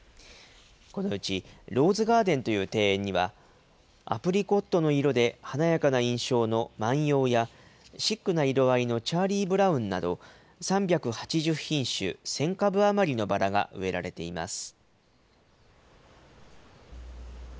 このうちローズガーデンという庭園には、アプリコットの色で華やかな印象の万葉や、シックな色合いのチャーリーブラウンなど、３８０品種１０００株余りのバラが植えられています。